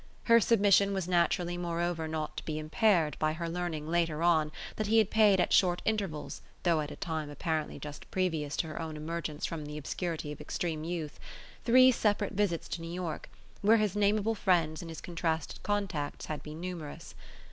Her submission was naturally moreover not to be impaired by her learning later on that he had paid at short intervals, though at a time apparently just previous to her own emergence from the obscurity of extreme youth, three separate visits to New York, where his nameable friends and his contrasted contacts had been numerous.